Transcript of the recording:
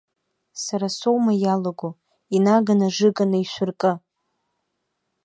Сара соума иалаго, инаганы ажыга наишәыркы!